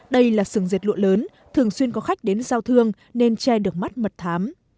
đây là sừng diệt lụa lớn thường xuyên có khách đến giao thương nên che được mắt mật thám